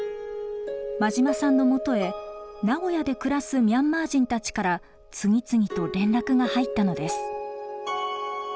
馬島さんのもとへ名古屋で暮らすミャンマー人たちから次々と連絡が入ったのです。